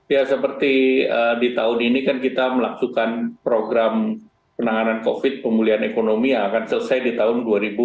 ya seperti di tahun ini kan kita melakukan program penanganan covid pemulihan ekonomi yang akan selesai di tahun dua ribu dua puluh